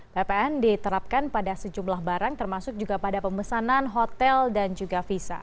ppn diterapkan pada sejumlah barang termasuk juga pada pemesanan hotel dan juga visa